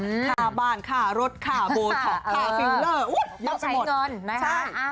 ค่าบ้านค่ารถค่าโบท็อกค่าฟิลเลอร์อุ้ยต้องไปหมดเงินนะคะ